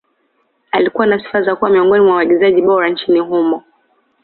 Alikuwa na sifa za kuwa miongoni mwa waigizaji bora nchini humo